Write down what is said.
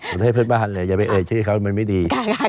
ประเทศเพื่อนบ้านเลยอย่าไปเอ่ยชื่อเขามันไม่ดี